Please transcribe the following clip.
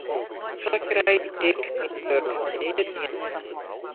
Sa krij ik myn wurk nea dien.